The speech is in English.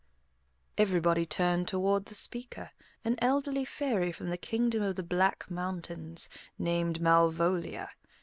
Everybody turned toward the speaker, an elderly fairy from the Kingdom of the Black Mountains, named Malvolia.